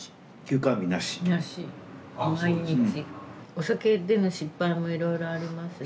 お酒での失敗もいろいろありますし。